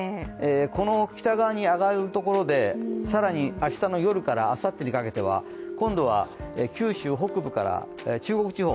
この北側に上がるところで更に明日の夜からあさってにかけては今度は九州北部から中国地方